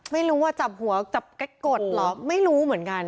ไม่รู้อ่ะจับหัวกดหรอไม่รู้เหมือนกัน